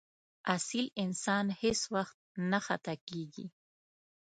اصیل انسان هېڅ وخت نه خطا کېږي.